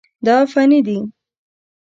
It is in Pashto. دا فني دي.